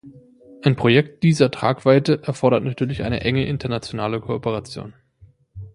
Ein Projekt dieser Tragweite erfordert natürlich eine enge internationale Kooperation.